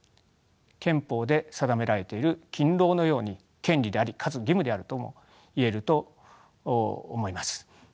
憲法で定められている勤労のように権利でありかつ義務であるとも言えると思います。